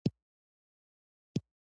د غنمو کیفیت ډیر لوړ دی.